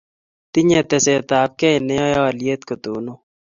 tinye testai ab kei ne yae alyet kotonon